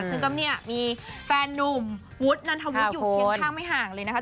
ซึ่งก็เนี่ยมีแฟนนุ่มวุฒนันทวุฒิอยู่เคียงข้างไม่ห่างเลยนะคะ